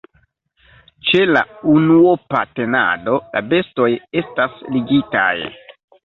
Ĉe la unuopa tenado la bestoj estas ligitaj.